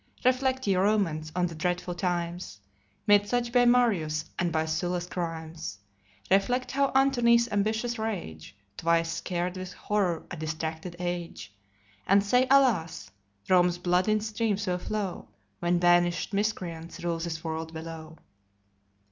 Reflect, ye Romans, on the dreadful times, Made such by Marius, and by Sylla's crimes. Reflect how Antony's ambitious rage Twice scar'd with horror a distracted age, And say, Alas! Rome's blood in streams will flow, When banish'd miscreants rule this world below.